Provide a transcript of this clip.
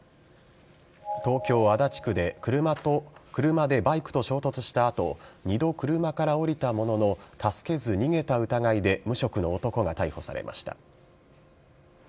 東京・足立区で車でバイクと衝突した後２度、車から降りたものの助けず、逃げた疑いで無職の男が逮捕されました。